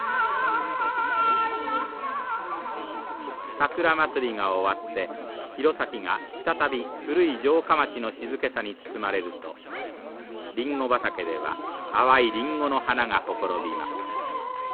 さくらまつりが終わって弘前が再び古い城下町の静けさに包まれるとリンゴ畑では淡いリンゴの花がほころびます。